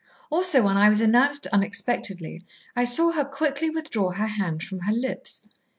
Also, when I was announced unexpectedly, I saw her quickly withdraw her hand from her lips.